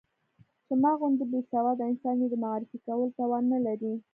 چې ما غوندې بې سواده انسان يې د معرفي کولو توان نه لري.